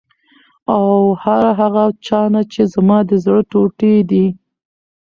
او هر هغه چا نه چې زما د زړه ټوټې دي،